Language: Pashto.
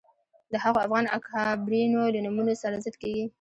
د هغو افغان اکابرینو له نومونو سره ضد کېږي